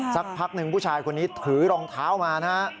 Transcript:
สักพักหนึ่งผู้ชายคนนี้ถือรองเท้ามานะฮะ